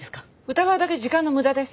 疑うだけ時間の無駄です。